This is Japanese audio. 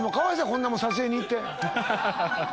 こんなもん撮影に行って。